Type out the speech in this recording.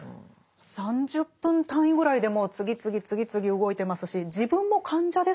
３０分単位ぐらいでもう次々次々動いてますし自分も患者ですものね。